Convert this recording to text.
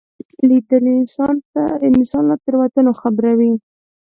لیدل انسان له تېروتنو خبروي